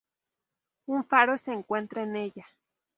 Un faro se encuentra en ella.